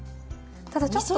ただちょっと。